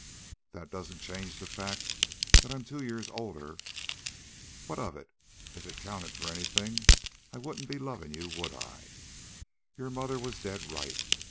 "That doesn't change the fact that I'm two years older." "What of it? If it counted for anything, I wouldn't be lovin' you, would I? Your mother was dead right.